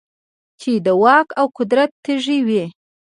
چـې د واک او قـدرت تـېږي وي .